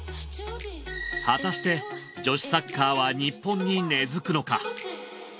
果たして女子サッカーは日本に根付くのか。